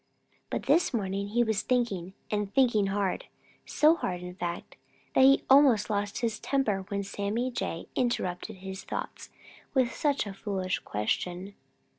But this morning he was thinking and thinking hard, so hard, in fact, that he almost lost his temper when Sammy Jay interrupted his thoughts with such a foolish question.